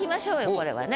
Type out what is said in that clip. これはね。